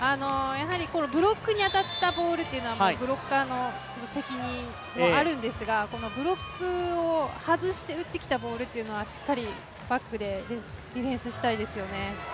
ブロックに当たったボールというのはブロッカーの責任もあるんですがブロックを外して打ってきたボールというのはしっかり、バックでディフェンスしたいですよね。